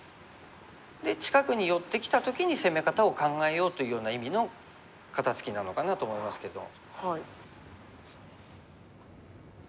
で近くに寄ってきた時に攻め方を考えようというような意味の肩ツキなのかなと思いますけど。